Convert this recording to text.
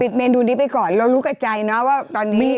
ปิดเมนดูนี้ไปก่อนเรารู้กับใจว่าตอนที่